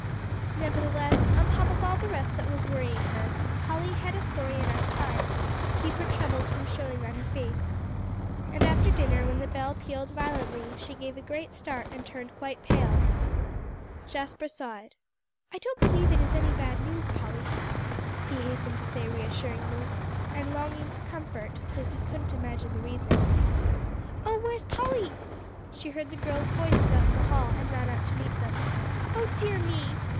Nevertheless, on top of all the rest that was worrying her, Polly had a sorry enough time, to keep her troubles from showing on her face. And after dinner, when the bell pealed violently, she gave a great start and turned quite pale. Jasper saw it. "I don't believe it's any bad news, Polly," he hastened to say reassuringly, and longing to comfort, though he couldn't imagine the reason. "Oh, where's Polly?" She heard the girls' voices out in the hall, and ran out to meet them. "Oh dear me!"